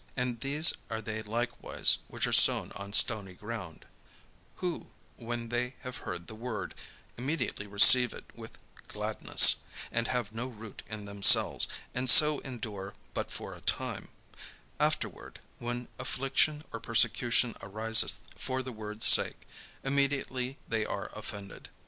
And these are they likewise which are sown on stony ground; who, when they have heard the word, immediately receive it with gladness; and have no root in themselves, and so endure but for a time: afterward, when affliction or persecution ariseth for the word's sake, immediately they are offended.